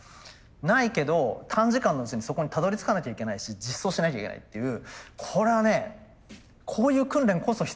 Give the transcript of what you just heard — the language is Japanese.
ないけど短時間のうちにそこにたどりつかなきゃいけないし実装しなきゃいけないっていうこれはねこういう訓練こそ必要。